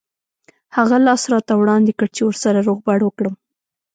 هغه لاس راته وړاندې کړ چې ورسره روغبړ وکړم.